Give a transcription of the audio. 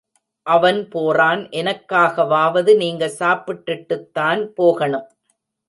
அவன் போறான் எனக்காகவாவது நீங்க சாப்பிட்டுட்டுத் தான் போகணும்.